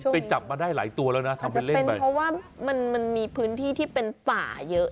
ไปจับมาได้หลายตัวแล้วนะอาจจะเป็นเพราะว่ามันมีพื้นที่ที่เป็นฝ้าเยอะ